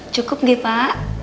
cukup deh pak